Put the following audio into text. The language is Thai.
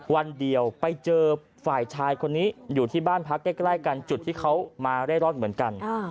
วันเดียวไปเจอฝ่ายชายคนนี้อยู่ที่บ้านพักใกล้กันจุดที่เขามาเร่ร่อนเหมือนกัน